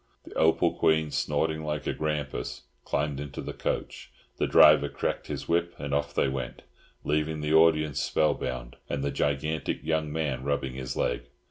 The Opal Queen, snorting like a grampus, climbed into the coach; the driver cracked his whip, and off they went, leaving the audience spellbound, and the gigantic young man rubbing his leg.